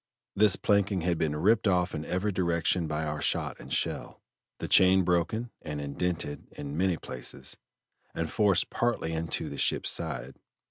This planking had been ripped off in every direction by our shot and shell, the chain broken and indented in many places, and forced partly into the ship's side.